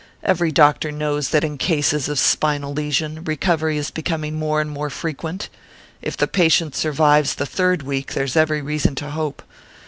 Every doctor knows that in cases of spinal lesion recovery is becoming more and more frequent if the patient survives the third week there's every reason to hope.